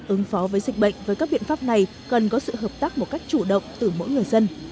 ứng phó với dịch bệnh với các biện pháp này cần có sự hợp tác một cách chủ động từ mỗi người dân